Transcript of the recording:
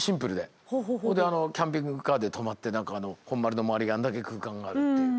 それでキャンピングカーで泊まって本丸の周りがあんだけ空間があるっていう。